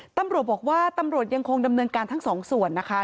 ตำรวจบอกว่าตำรวจยังคงดำเนินการทั้งสองส่วนนะคะ